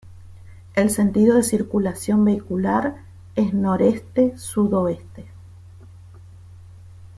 El sentido de circulación vehicular es noreste-sudoeste.